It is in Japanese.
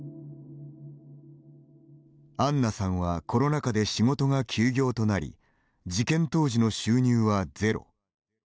杏菜さんはコロナ禍で仕事が休業となり事件当時の収入はゼロ。